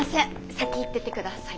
先行ってて下さい。